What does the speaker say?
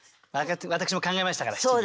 私も考えましたから七輪。